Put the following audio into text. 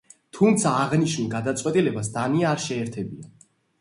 თუმცა აღნიშნულ გადაწყვეტილებას დანია არ შეერთებია.